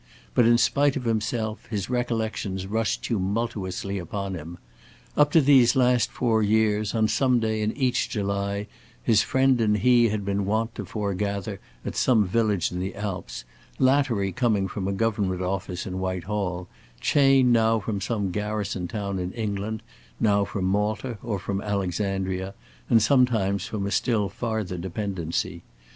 But in spite of himself his recollections rushed tumultuously upon him. Up to these last four years, on some day in each July his friend and he had been wont to foregather at some village in the Alps, Lattery coming from a Government Office in Whitehall, Chayne now from some garrison town in England, now from Malta or from Alexandria, and sometimes from a still farther dependency.